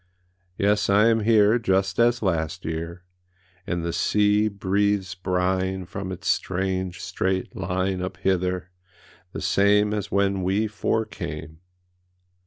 Yes, I am here Just as last year, And the sea breathes brine From its strange straight line Up hither, the same As when we four came.